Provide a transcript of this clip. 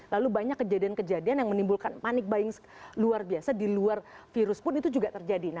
lalu banyak kejadian kejadian yang menimbulkan panic buying luar biasa di luar virus pun itu juga terjadi